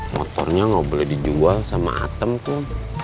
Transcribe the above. motornya nggak boleh dijual sama atem tuh